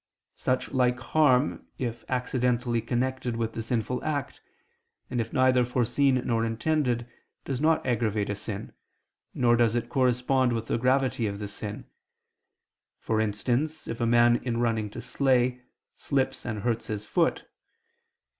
Such like harm, if accidentally connected with the sinful act, and if neither foreseen nor intended, does not aggravate a sin, nor does it correspond with the gravity of the sin: for instance, if a man in running to slay, slips and hurts his foot.